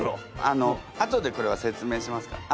あのあとでこれは説明しますから。